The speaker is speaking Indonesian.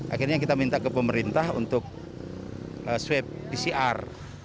akhirnya kita minta ke pemerintah untuk swab pcr